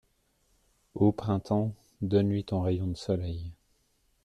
O printemps ! donne-lui ton rayon de soleil !